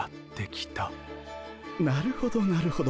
なるほどなるほど。